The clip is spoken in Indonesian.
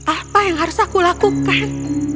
apa yang harus aku lakukan